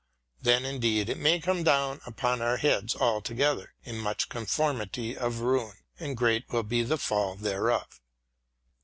Then indeed it may come down upon our heads all together in much conformity of ruin ; and great will be the fall thereof.